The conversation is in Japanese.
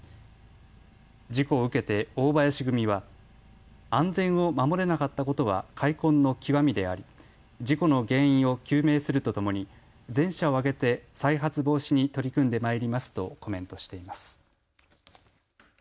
事故を受けて大林組は安全を守れなかったことは悔恨の極みであり事故の原因を究明するとともに全社を挙げて再発防止に取り組んでまいりますとコメントしています。